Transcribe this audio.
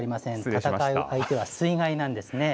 戦う相手は水害なんですね。